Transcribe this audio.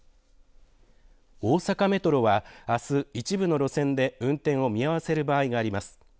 大阪メトロはあす一部の路線で運転を見合わせる場合があります。